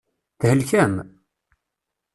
Thelkem?